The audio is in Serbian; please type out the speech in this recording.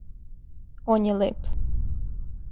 Он је леп.